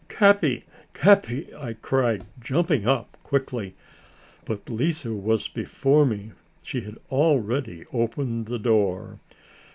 "Capi! Capi!" I cried, jumping up quickly. But Lise was before me; she had already opened the door.